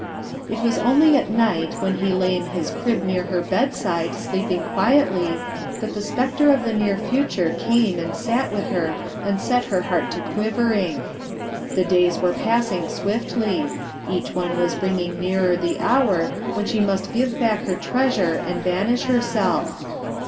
It was only at night when he lay in his ^ near her bedside, sleeping quietly, that the spectre of the near future came and sat with her and set her heart to quivering. The days were passing swiftly; each one was bringing nearer the hour when she must give back her treasure and banish herself.